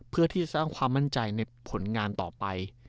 เพื่อที่จะสร้างความมั่นใจในผลงานต่อไป